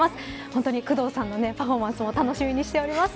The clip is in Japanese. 本当に工藤さんのパフォーマンスも楽しみにしております。